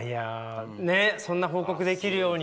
そんな報告できるように。